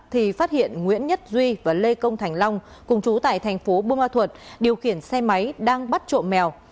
thì phát hiện nguyễn nhất duy và lê công thành long cùng chú tại thành phố buôn ma thuật điều khiển xe máy đang bắt trộm mèo